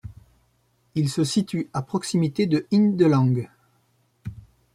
Il se situe à proximité de Hindelang.